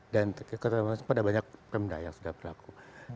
dan pada banyak pemerintah yang sudah berlaku